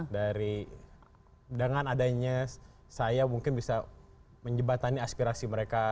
dari dengan adanya saya mungkin bisa menjebatani aspirasi mereka